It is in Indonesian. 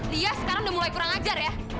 lia sekarang udah mulai kurang ajar ya